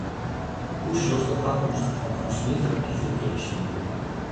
Hoe sjochst de takomst fan keunstmjittige yntelliginsje?